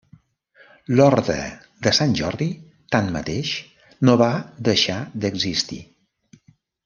L'Orde de Sant Jordi, tanmateix, no va deixar d'existir.